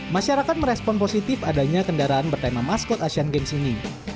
masyarakat merespon positif adanya kendaraan bertema maskot asian games ini